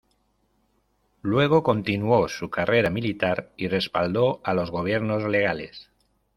Luego continuó su carrera militar y respaldó a los gobiernos legales.